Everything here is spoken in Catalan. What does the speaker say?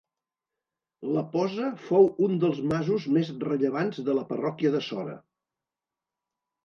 La posa fou un dels masos més rellevants de la parròquia de Sora.